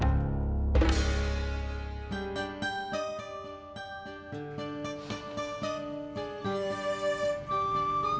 udah sampe ya participate